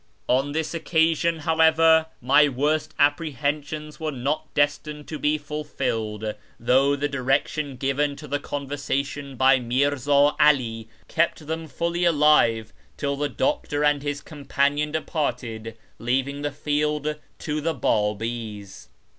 On this occasion, however, my worst apprehensions were not destined to be fulfilled, though the direction given to the conversation by Mirza 'All kept them fully alive till the doctor and his companion departed, leaving the field to the B;ibis.